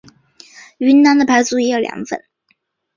云南的白族也有凉粉。